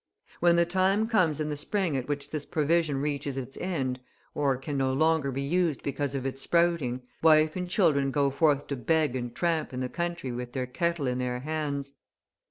When the time comes in the spring at which this provision reaches its end, or can no longer be used because of its sprouting, wife and children go forth to beg and tramp the country with their kettle in their hands.